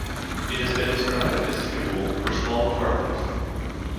It has been described as suitable for small apartments.